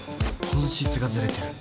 本質がずれてる